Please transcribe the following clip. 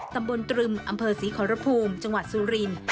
ตำบลตรึมอำเภอศรีขอรภูมิจังหวัดสุริน